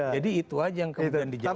jadi itu saja yang kemudian dijawab